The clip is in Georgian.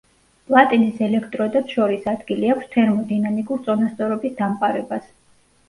პლატინის ელექტროდებს შორის ადგილი აქვს თერმოდინამიკურ წონასწორობის დამყარებას.